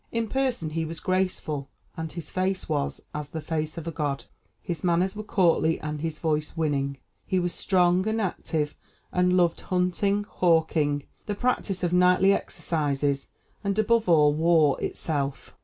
In person he was graceful; and his face was 'as the face of a god.' His manners were courtly and his voice winning. He was strong and active, and loved hunting, hawking, the practice of knightly exercises, and, above all, war itself.